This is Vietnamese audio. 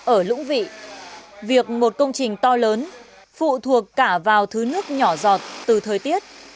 ở lũng vị việc một công trình to lớn phụ thuộc cả vào thứ nước nhỏ giọt từ thời tiết